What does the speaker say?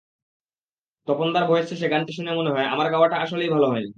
তপনদার voice শেষে গানটি শুনে মনে হয়, আমার গাওয়াটা আসলেই ভালো হয়নি।